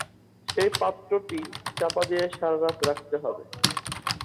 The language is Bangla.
সেই পাত্রটি চাপা দিয়ে সারা রাত রাখতে হবে।